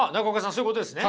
そういうことですね？